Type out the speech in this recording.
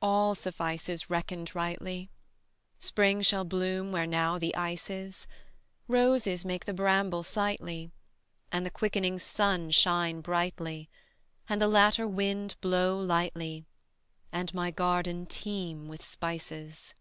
All suffices reckoned rightly: Spring shall bloom where now the ice is, Roses make the bramble sightly, And the quickening sun shine brightly, And the latter wind blow lightly, And my garden teem with spices.